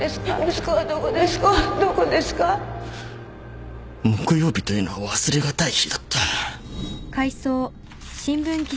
息子はどこですか？木曜日というのは忘れがたい日だった。